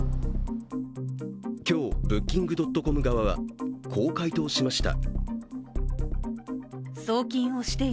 今日、ブッキングドットコム側はこう回答しました。